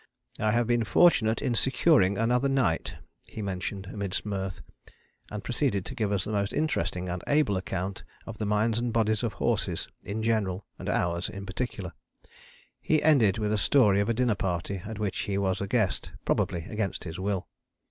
"I have been fortunate in securing another night," he mentioned amidst mirth, and proceeded to give us the most interesting and able account of the minds and bodies of horses in general and ours in particular. He ended with a story of a dinner party at which he was a guest, probably against his will.